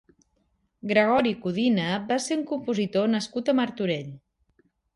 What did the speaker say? Gregori Codina va ser un compositor nascut a Martorell.